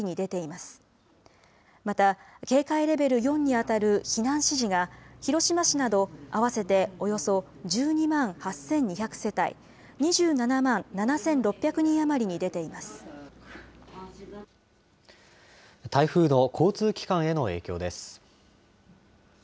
また、警戒レベル４に当たる避難指示が広島市など、合わせておよそ１２万８２００世帯２７万７６００人余りに台風の交通機関への影響です。